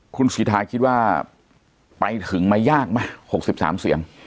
คุณศรีทายคิดว่าไปถึงไม่ยากไหมหกสิบสามเสียง